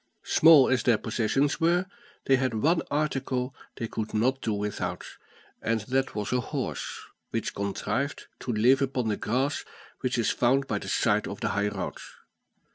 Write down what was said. Small as their possessions were, they had one article they could not do without, and that was a horse, which contrived to live upon the grass which it found by the side of the high road.